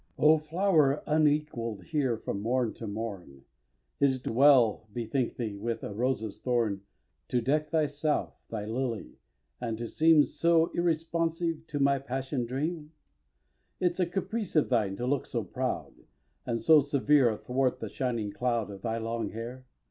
xi. O flower unequall'd here from morn to morn, Is't well, bethink thee, with a rose's thorn To deck thyself, thou lily! and to seem So irresponsive to my passion dream? Is't a caprice of thine to look so proud, And so severe, athwart the shining cloud Of thy long hair?